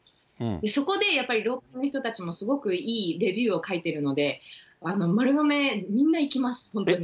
そこでやっぱりすごくいいレビューを書いてるので、丸亀、みんな行きます、本当に。